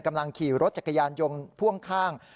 กำลังขี่รถจักรยานยนต์พ่วงข้าง